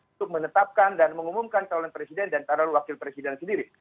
untuk menetapkan dan mengumumkan calon presiden dan calon wakil presiden sendiri